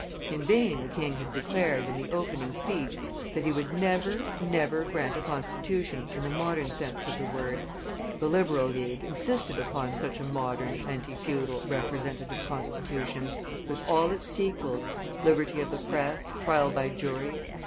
In vain the King had declared, in the opening speech, that he would never, never grant a Constitution in the modern sense of the word; the Liberal League insisted upon such a modern, anti feudal, Representative Constitution, with all its sequels, Liberty of the Press, Trial by Jury, etc.